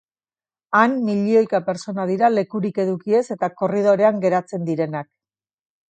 Han milioika pertsona dira lekurik eduki ez eta korridorean geratzen direnak.